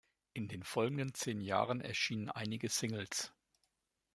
In den folgenden zehn Jahren erschienen einige Singles.